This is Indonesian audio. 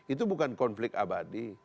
itu bukan konflik abadi